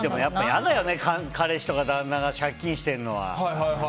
嫌だよね彼氏とか旦那が借金してるのは。